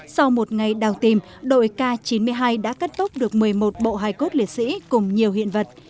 sau một ngày đào tìm đội k chín mươi hai đã cất bốc được một mươi một bộ hài cốt liệt sĩ cùng nhiều hiện vật